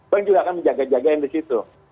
bank juga akan menjaga jaga yang di situ